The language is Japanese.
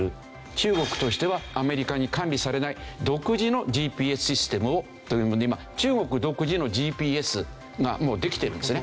中国としてはアメリカに管理されない独自のＧＰＳシステムをというので今中国独自のＧＰＳがもうできてるんですよね。